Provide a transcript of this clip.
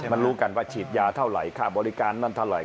มันรู้กันว่าฉีดยาเท่าไหร่ค่าบริการนั้นเท่าไหร